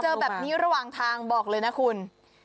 เจอแบบนี้ระหว่างทางบอกเลยนะคุณ